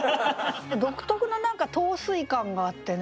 独特の陶酔感があってね。